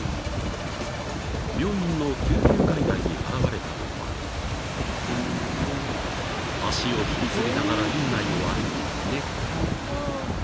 ［病院の救急外来に現れたのは脚を引きずりながら院内を歩く猫］